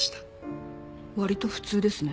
割と普通ですね。